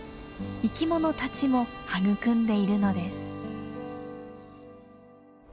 生きものたちも育んでいるのです。